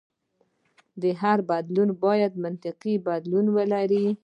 هر بدلون باید منطقي دلیل ولري.